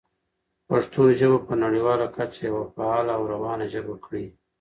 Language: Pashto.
پښتو ژبه په نړیواله کچه یوه فعاله او روانه ژبه کړئ.